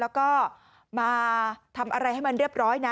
แล้วก็มาทำอะไรให้มันเรียบร้อยนะ